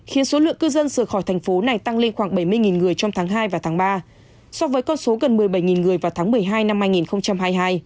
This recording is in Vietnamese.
khiến số lượng cư dân sửa khỏi thành phố này tăng lên khoảng bảy mươi người trong tháng hai và tháng ba so với con số gần một mươi bảy người vào tháng một mươi hai năm hai nghìn hai mươi hai